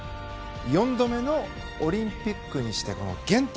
４度目のオリンピックにしての原点。